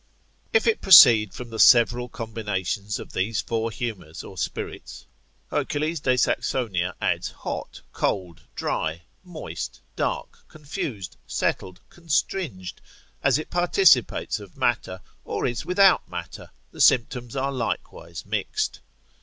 If it proceed from the several combinations of these four humours, or spirits, Herc. de Saxon. adds hot, cold, dry, moist, dark, confused, settled, constringed, as it participates of matter, or is without matter, the symptoms are likewise mixed.